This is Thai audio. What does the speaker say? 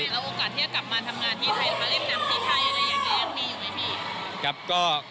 แล้วโอกาสที่จะกลับมาทำงานที่ไทยหรือมาเล่นน้ำที่ไทยอะไรอย่างนี้ยังมีอยู่ไหมพี่